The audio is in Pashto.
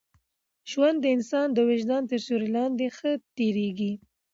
ژوند د انسان د وجدان تر سیوري لاندي ښه تېرېږي.